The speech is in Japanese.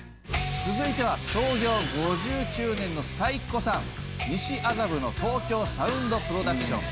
続いては創業５９年の最古参西麻布の東京サウンド・プロダクション。